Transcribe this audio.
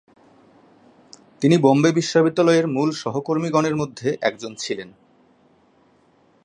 তিনি বম্বে বিশ্ববিদ্যালয়ের মূল সহকর্মীগণে মধ্যে একজন ছিলেন।